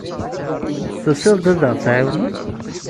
Tusiḍ-d ad ɣ-tɛiwneḍ?